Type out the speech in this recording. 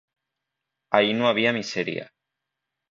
Ahí no había miseria.